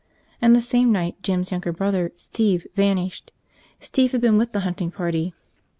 And the same night, Jim's younger brother, Steve vanished. Steve had been with the hunting party."